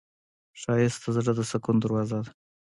ښایست د زړه د سکون دروازه ده